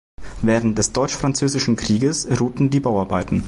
Während des Deutsch-Französischen Krieges ruhten die Bauarbeiten.